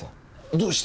どうして？